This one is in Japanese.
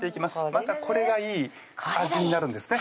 またこれがいい味になるんですね